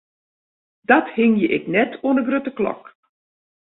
Dat hingje ik net oan 'e grutte klok.